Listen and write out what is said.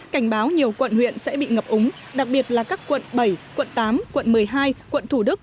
cảnh báo nhiều quận huyện sẽ bị ngập úng đặc biệt là các quận bảy quận tám quận một mươi hai quận thủ đức